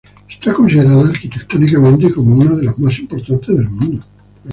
Está considerada arquitectónicamente como una de las más importantes del mundo.